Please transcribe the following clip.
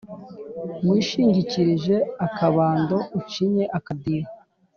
wishingikirije akabando ucinye akadiho